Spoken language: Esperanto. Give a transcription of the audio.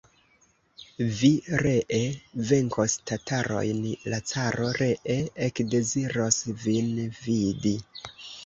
Vi ree venkos tatarojn, la caro ree ekdeziros vin vidi.